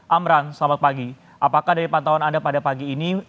amran selamat pagi apakah dari pantauan anda pada pagi ini